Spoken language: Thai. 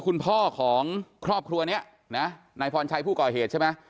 คุณพ่อของครอบครัวนี้นะนายพรชัยผู้ก่อเหตุใช่ไหม